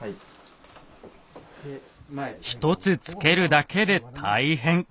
１つつけるだけで大変。